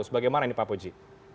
bagaimana ini pak puji